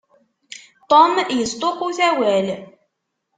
Tom yesṭuqut awal.